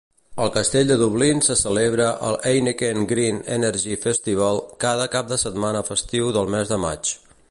Al castell de Dublín se celebra el Heineken Green Energy Festival cada cap de setmana festiu del mes de maig.